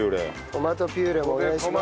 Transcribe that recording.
トマトピューレお願いします。